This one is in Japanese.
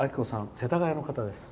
世田谷の方です。